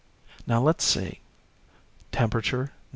Now let's see temperature 99.